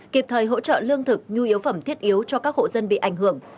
kịp thời hỗ trợ lương thực nhu yếu phẩm thiết yếu cho các hộ dân bị ảnh hưởng